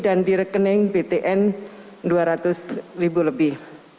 dan di rekening bntn rp dua ratus lebih